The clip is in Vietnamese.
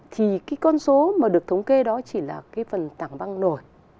thì cái con số mà được thống kê đó chỉ là cái phần tảng băng nổi